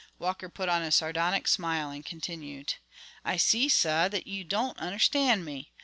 Walker put on a sardonic smile, and continued: "I see, sah, that you don' understan' me.